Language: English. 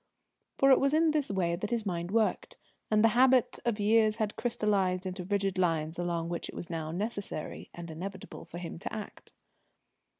For it was in this way that his mind worked, and the habits of years had crystallised into rigid lines along which it was now necessary and inevitable for him to act.